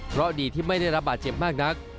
เพราะดีที่ไม่ได้รับบาดเจ็บมากนัก